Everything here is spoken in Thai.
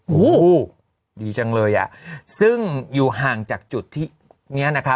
โอ้โหดีจังเลยอ่ะซึ่งอยู่ห่างจากจุดที่เนี้ยนะคะ